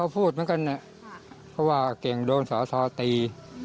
เพราะว่าเก่งโดนสอทอตี